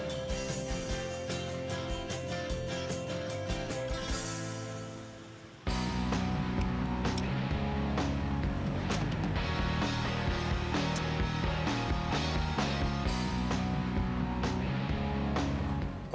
penghujung pasir ruooh